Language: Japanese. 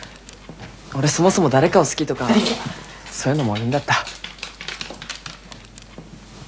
俺そもそも誰かを好きとかそういうのもういいんだった。